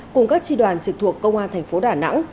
cùng các tri đoàn trực thuộc công an thành phố đà nẵng